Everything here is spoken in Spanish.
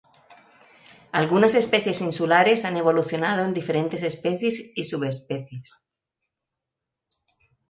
Algunas especies insulares han evolucionado en diferentes especies y subespecies.